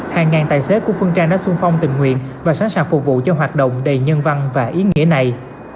hàng ngàn tài xế của phương trang đã sung phong tình nguyện và sẵn sàng phục vụ cho hoạt động đầy nhân văn và ý nghĩa này